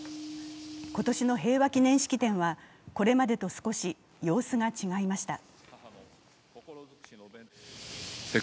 今年の平和記念式典は、これまでと少し様子が違いました。